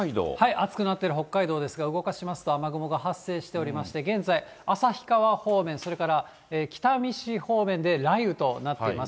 暑くなっている北海道ですが、動かしますと、雨雲が発生しておりまして、現在、旭川方面、それから北見市方面で雷雨となってます。